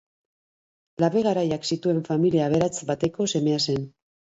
Labe garaiak zituen familia aberats bateko semea zen.